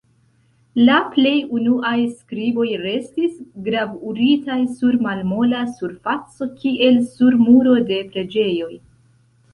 La plej unuaj skriboj restis gravuritaj sur malmola surfaco kiel sur muro de preĝejoj.